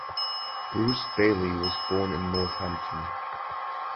Bruce Bailey was born in Northampton.